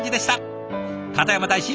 片山大使